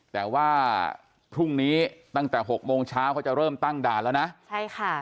แต่ว่าพรุ่งนี้ตั้งแต่หกโมงเช้าเขาจะเริ่มตั้งด่านแล้วนะใช่ค่ะ